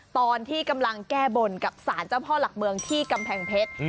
ตอนที่กำลังแก้บนกับสารเจ้าพ่อหลักเมืองที่กำแพงเพชร